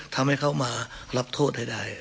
ทำให้เขามารับโทษให้ได้